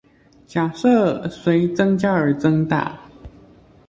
假設隨增加而增大